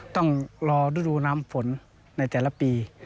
ต้องรอฤดูน้ำฝนในแต่ละปี